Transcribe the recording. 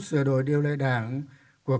sửa đổi điều lệ đảng của